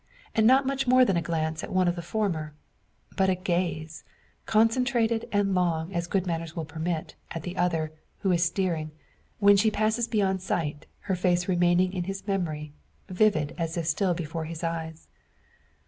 And not much more than a glance at one of the former; but a gaze, concentrated and long as good manners will permit, at the other, who is steering; when she passes beyond sight, her face remaining in his memory, vivid as if still before his eyes.